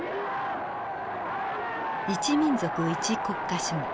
一民族一国家主義。